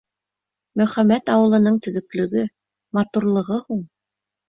Мөхәмәт ауылының төҙөклөгө, матурлығы һуң!